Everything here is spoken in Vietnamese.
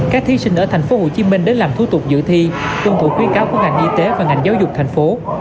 các thí sinh ở tp hcm đến làm thủ tục dự thi tuân thủ khuyến cáo của ngành y tế và ngành giáo dục thành phố